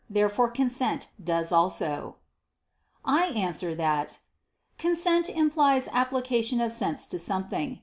Therefore consent does also. I answer that, Consent implies application of sense to something.